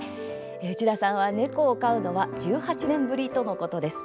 内田さんは猫を飼うのは１８年ぶりとのことです。